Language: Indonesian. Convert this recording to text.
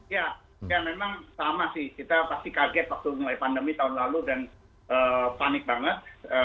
ya memang sama sih kita pasti kaget waktu mulai pandemi tahun lalu dan panik banget